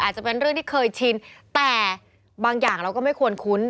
อาจจะเป็นเรื่องที่เคยชินแต่บางอย่างเราก็ไม่ควรคุ้น